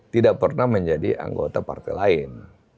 tidak pernah menjadi anggota partai lain